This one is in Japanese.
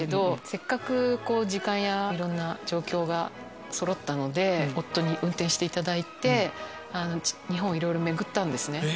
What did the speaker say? せっかく時間やいろんな状況がそろったので夫に運転していただいて日本をいろいろ巡ったんですね。